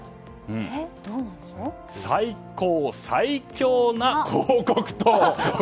最高最強な広告塔。